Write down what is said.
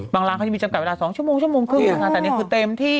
บางร้านเขามีจำกัดเวลาสองชั่วโมงชั่วโมงคึงดีกว่าแต่นี้คือเต็มที่